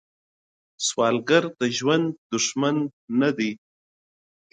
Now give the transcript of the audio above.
سوالګر د ژوند دښمن نه دی